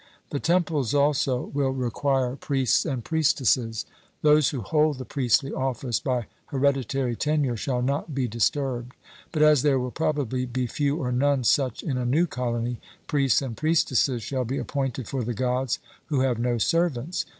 The temples, also, will require priests and priestesses. Those who hold the priestly office by hereditary tenure shall not be disturbed; but as there will probably be few or none such in a new colony, priests and priestesses shall be appointed for the Gods who have no servants.